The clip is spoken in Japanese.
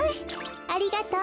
ありがとう。